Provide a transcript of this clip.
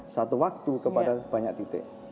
satu waktu kepada banyak titik